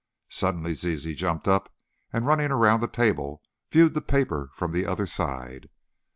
Suddenly Zizi jumped up, and running around the table, viewed the paper from the other side.